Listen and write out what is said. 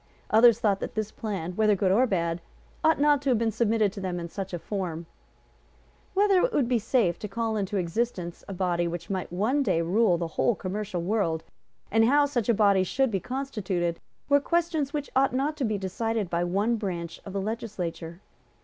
Others thought that this plan, whether good or bad, ought not to have been submitted to them in such a form. Whether it would be safe to call into existence a body which might one day rule the whole commercial world, and how such a body should be constituted, were questions which ought not to be decided by one branch of the Legislature.